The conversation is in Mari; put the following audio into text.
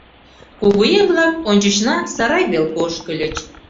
Кугыеҥ-влак ончычна сарай велке ошкыльыч.